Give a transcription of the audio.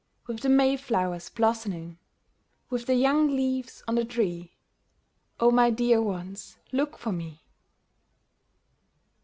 With the mayflower's blossoming. With the young leaves on the tree, O my dear ones, look for me